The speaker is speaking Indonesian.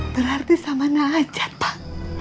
berarti sama nahajat pak